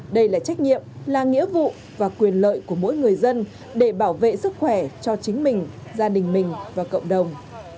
đây là trách nhiệm là nghĩa vụ và quyền lợi của mỗi người dân để bảo vệ sức khỏe cho chính mình gia đình mình và cộng đồng